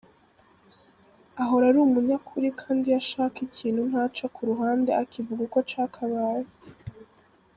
Ahora ari umunyakuri kandi iyo ashaka ikintu ntaca ku ruhande akivuga uko cyakabaye.